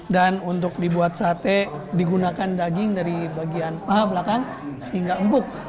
dan untuk dibuat sate digunakan daging dari bagian paha belakang sehingga empuk